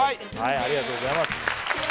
ありがとうございます